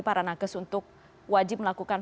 para nakes untuk wajib melakukan